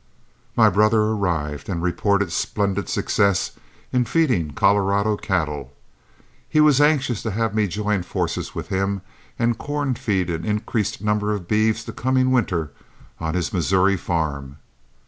My brother arrived and reported splendid success in feeding Colorado cattle. He was anxious to have me join forces with him and corn feed an increased number of beeves the coming winter on his Missouri farm.